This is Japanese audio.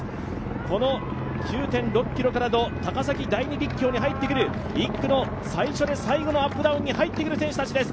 この９．６ｋｍからの高崎第二陸橋に入ってくる１区の最初で最後のアップダウンに入ってくる選手たちです。